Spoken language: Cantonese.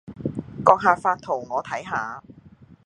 閣下發圖我睇下